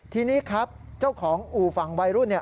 ทีนี้ครับเจ้าของอู่ฝั่งวัยรุ่น